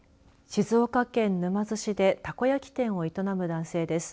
静岡県沼津市でたこ焼き店を営む男性です。